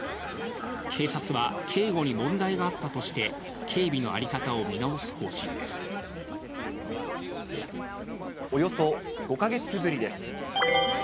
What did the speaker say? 警察は、警護に問題があったとして、警備の在り方を見直す方針でおよそ５か月ぶりです。